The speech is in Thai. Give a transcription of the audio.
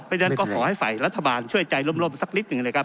เพราะฉะนั้นก็ขอให้ฝ่ายรัฐบาลช่วยใจล่มสักนิดหนึ่งนะครับ